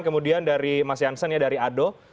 kemudian dari mas jansen ya dari ado